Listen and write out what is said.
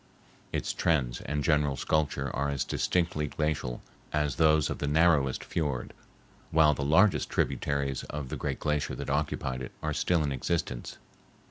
Its trends and general sculpture are as distinctly glacial as those of the narrowest fiord, while the largest tributaries of the great glacier that occupied it are still in existence.